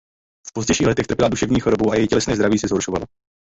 V pozdějších letech trpěla duševní chorobou a její tělesné zdraví se zhoršovalo.